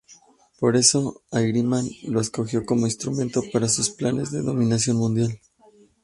Por eso Ahriman lo escogió como instrumento para sus planes de dominación mundial.